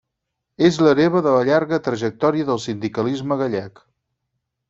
És l'hereva de la llarga trajectòria del sindicalisme gallec.